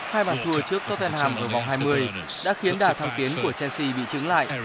hai bàn thua trước tottenham ở vòng hai mươi đã khiến đà thắng tiến của chelsea bị trứng lại